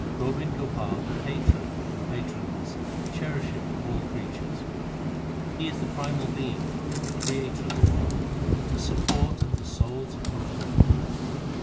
Gobind Gopal, the Patron of the patronless, Cherisheth all creatures ; He is the primal Being, the Creator of the world, The support of the souls of holy men.